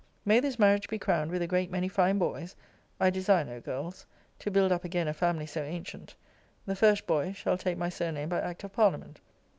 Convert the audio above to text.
May this marriage be crowned with a great many fine boys (I desire no girls) to build up again a family so antient! The first boy shall take my surname by act of parliament.